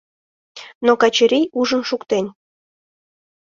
Но Качырий ужын шуктен.